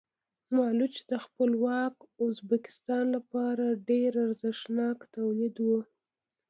مالوچ د خپلواک ازبکستان لپاره ډېر ارزښتناک تولید و.